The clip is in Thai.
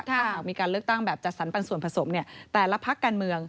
ถ้าหากมีการเลือกตั้งแบบจัดสรรปันส่วนผสมแต่ละพักการเมือง